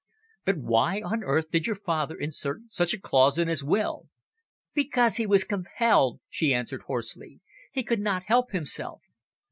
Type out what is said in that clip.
"But why on earth did your father insert such a clause in his will?" "Because he was compelled," she answered hoarsely. "He could not help himself."